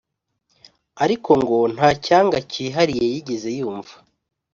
ariko ngo nta cyanga cyihariye yigeze yumva